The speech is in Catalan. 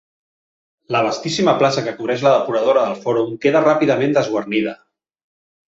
La vastíssima plaça que cobreix la Depuradora del Fòrum queda ràpidament desguarnida.